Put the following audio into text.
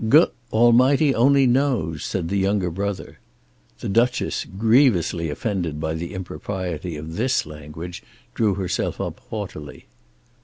"G Almighty only knows," said the younger brother. The Duchess, grievously offended by the impropriety of this language, drew herself up haughtily.